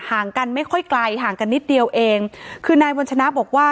ห่างกันไม่ค่อยไกลห่างกันนิดเดียวเองคือนายวัญชนะบอกว่า